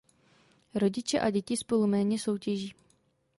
Rodiče a děti spolu méně soutěží.